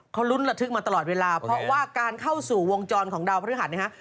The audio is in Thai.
เขาลุ้นระทึกมาตลอดเวลาเพราะว่าการเข้าสู่วงจรของดาวพฤหัสเนี่ยฮะ